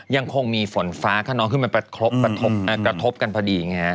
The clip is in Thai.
ยังคงมีฝนฟ้าขนองคือมันประทบกันพอดี